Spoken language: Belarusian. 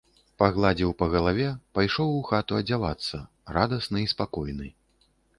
Пагладзіў па галаве, пайшоў у хату адзявацца, радасны і спакойны.